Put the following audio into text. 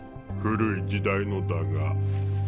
古い時代のだが。